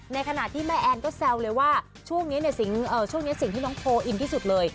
ในขณะที่แม่แอนก็แซวเลยว่าช่วงนี้ช่วงนี้สิ่งที่น้องโพลอินที่สุดเลย